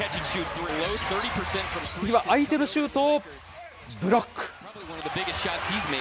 次は相手のシュートをブロック。